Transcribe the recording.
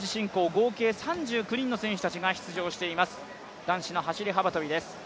合計３９人の選手たちが出場しています、男子走幅跳です。